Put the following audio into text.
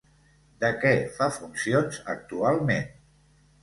De què fa funcions actualment?